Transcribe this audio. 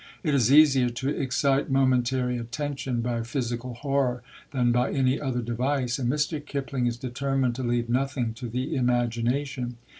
It is easier to excite momentary attention by physical horror than by any other device; and Mr. Kipling is determined to leave nothing to the imagination.